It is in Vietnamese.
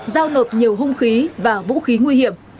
giao nộp nhiều hung khí và vũ khí nguy hiểm